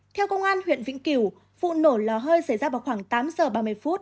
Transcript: theo công an huyện vĩnh cửu vụ nổ lò hơi xảy ra vào khoảng tám h ba mươi